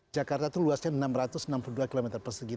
jakarta itu luasnya enam ratus enam puluh dua km persegi